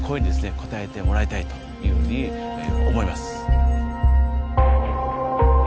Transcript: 応えてもらいたいというふうに思います